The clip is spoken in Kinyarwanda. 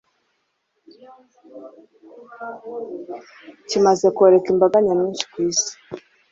kimaze koreka imbaga nyamwinshi ku isi hose,